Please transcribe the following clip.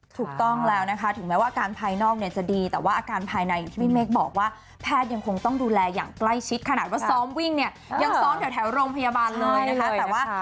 ถูกต้องแล้วนะคะถึงแม้ว่าอาการภายนอกเนี่ยจะดีแต่ว่าอาการภายในอย่างที่พี่เมฆบอกว่าแพทย์ยังคงต้องดูแลอย่างใกล้ชิดขนาดว่าซ้อมวิ่งเนี่ยยังซ้อมแถวโรงพยาบาลเลยนะคะ